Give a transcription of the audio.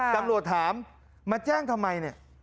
กำลัวถามมาแจ้งทำไม